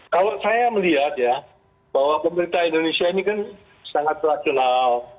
kalau saya melihat ya bahwa pemerintah indonesia ini kan sangat rasional